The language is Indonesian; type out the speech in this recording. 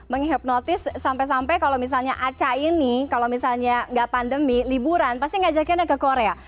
menghipnotis sampai sampai kalau misalnya aca ini kalau misalnya nggak pandemi liburan pasti ngajakinnya ke korea